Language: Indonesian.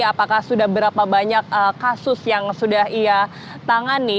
apakah sudah berapa banyak kasus yang sudah ia tangani